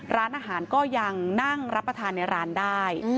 ร้านอาหารก็ยังนั่งรับประทานในร้านได้